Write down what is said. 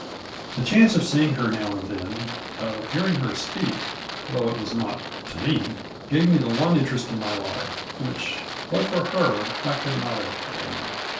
The chance of seeing her now and then, of hearing her speak — ^though it was not to me — ^gave me the one interest in my life, which, but for her, I could not have borne.